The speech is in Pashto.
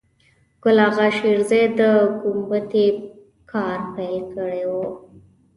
ګل آغا شېرزی د ګومبتې کار پیل کړی و.